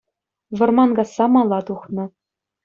Вӑрман касса мала тухнӑ